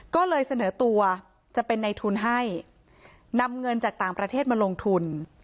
ก็เลยเสนอตัวจะเป็นในทุนให้นำเงินจากต่างประเทศมาลงทุน